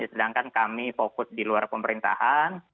sedangkan kami fokus di luar pemerintahan